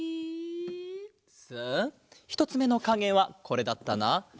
さあひとつめのかげはこれだったな。